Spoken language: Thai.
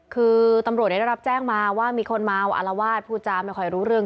คือตำรวจได้รับแจ้งมาว่ามีคนเมาอารวาสพูดจาไม่ค่อยรู้เรื่อง